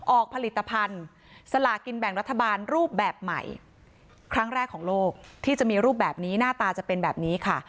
ออกผลิตภัณฑ์สลากินแบ่งรัฐบาลรูปแบบใหม่ครั้งแรกของโลกที่จะมีรูปแบบนี้หน้าตาจะเป็นแบบนี้ค่ะ